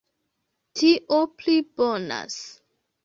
Tio pli bonas!